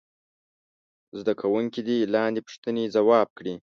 زده کوونکي دې لاندې پوښتنې ځواب کړي.